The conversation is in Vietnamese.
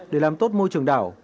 để làm tốt môi trường đảo